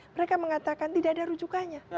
mereka mengatakan tidak ada rujukannya